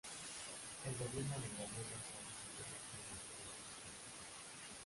El gobierno de Gabriel González Videla generó grandes expectativas.